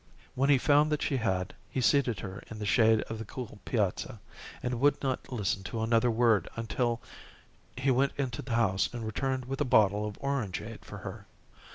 When he found that she had, he seated her in the shade on the cool piazza, and would not listen to another word until he went into the house and returned with a bottle of orangeade for her.